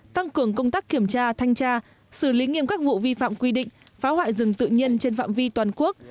tăng cường công tác kiểm tra thanh tra xử lý nghiêm các vụ vi phạm quy định phá hoại rừng tự nhiên trên phạm vi toàn quốc